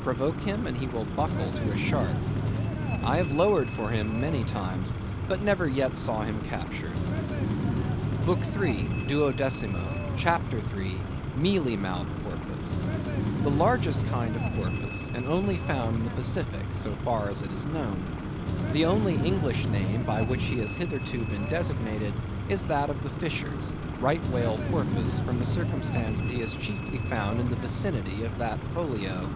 Provoke him, and he will buckle to a shark. I have lowered for him many times, but never yet saw him captured. BOOK III. (Duodecimo), CHAPTER III. (Mealy mouthed Porpoise).—The largest kind of Porpoise; and only found in the Pacific, so far as it is known. The only English name, by which he has hitherto been designated, is that of the fishers—Right Whale Porpoise, from the circumstance that he is chiefly found in the vicinity of that Folio.